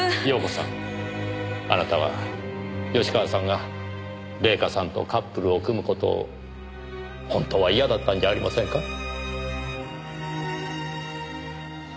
遥子さんあなたは芳川さんが礼夏さんとカップルを組む事を本当は嫌だったんじゃありませんか？